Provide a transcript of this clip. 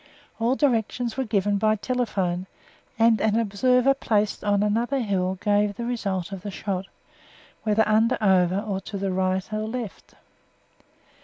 All directions were given by telephone, and an observer placed on another hill gave the result of the shot whether under, over, or to the right or left.